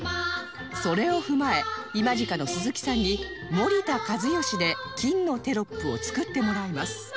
それを踏まえ ＩＭＡＧＩＣＡ の鈴木さんに「森田一義」で金のテロップを作ってもらいます